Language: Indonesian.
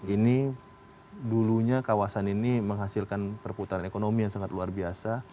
ini dulunya kawasan ini menghasilkan perputaran ekonomi yang sangat luar biasa